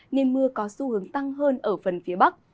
nên mưa có xu hướng tăng hơn ở phần phía bắc